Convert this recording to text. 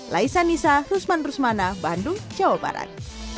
laisa nisa rusman rusmana bandung jawa barat